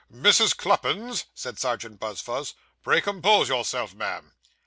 'Mrs. Cluppins,' said Serjeant Buzfuz, 'pray compose yourself, ma'am.